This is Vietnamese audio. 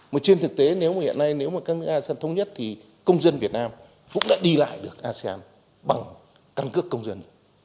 mà trên thực tế nếu mà hiện nay nếu mà các nước asean thống nhất thì công dân việt nam cũng đã đi lại được asean bằng căn cước công dân